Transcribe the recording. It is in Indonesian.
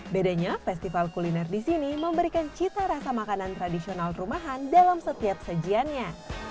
bedanya festival kuliner di sini memberikan cita rasa makanan tradisional rumahan dalam setiap sajiannya